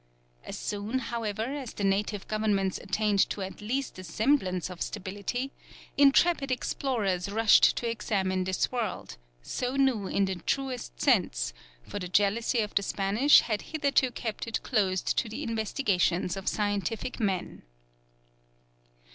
As soon, however, as the native governments attained to at least a semblance of stability, intrepid explorers rushed to examine this world, so new in the truest sense, for the jealousy of the Spanish had hitherto kept it closed to the investigations of scientific men.